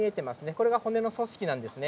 これが骨の組織なんですね。